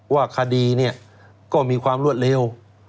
ว่าคดีก็มีความรวดเลว